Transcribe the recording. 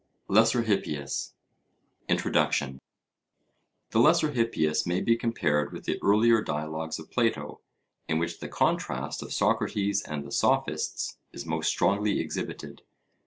LESSER HIPPIAS INTRODUCTION. The Lesser Hippias may be compared with the earlier dialogues of Plato, in which the contrast of Socrates and the Sophists is most strongly exhibited.